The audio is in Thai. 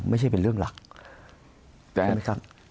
ไม่ใช่เป็นเรื่องหลักใช่ไหมครับ